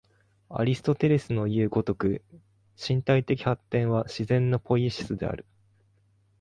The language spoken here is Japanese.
アリストテレスのいう如く、身体的発展は自然のポイエシスである。